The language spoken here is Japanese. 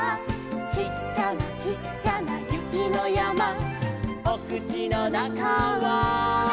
「ちっちゃなちっちゃなゆきのやま」「おくちのなかは」